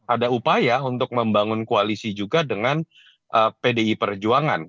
ada upaya untuk membangun koalisi juga dengan pdi perjuangan